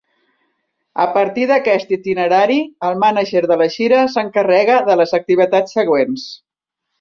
A partir d'aquest itinerari, el mànager de la gira s'encarrega de les activitats següents.